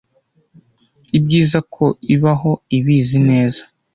Ibyiza ko ibaho ibizi neza,